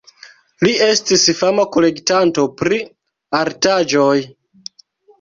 Li estis fama kolektanto pri artaĵoj.